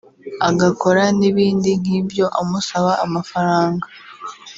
agakora n’ibindi nk’ibyo amusaba amafaranga